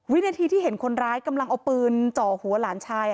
วินาทีที่เห็นคนร้ายกำลังเอาปืนจ่อหัวหลานชาย